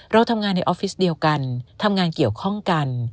เราทำงานในออฟฟิศเดียวกันทำงานเกี่ยวข้องกัน